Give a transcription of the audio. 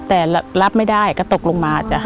แต่รับไม่ได้ก็ตกลงมา